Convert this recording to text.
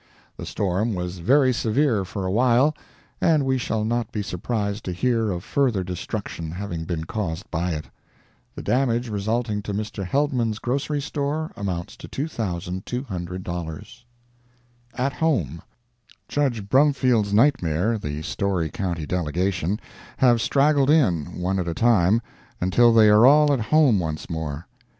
The storm was very severe for a while, and we shall not be surprised to hear of further destruction having been caused by it. The damage resulting to Mr. Heldman's grocery store, amounts to $2,200. AT HOME.—Judge Brumfield's nightmare—the Storey county delegation—have straggled in, one at a time, until they are all at home once more.